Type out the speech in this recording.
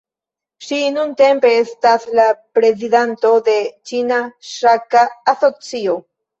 Ŝi nuntempe estas la prezidanto de la Ĉina Ŝaka Asocio.